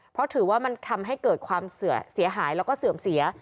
เพราะถือว่ามันทำให้เกิดความเสียหายแล้วก็เสื่อมเสีย